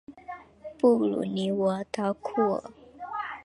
布吕尼沃当库尔。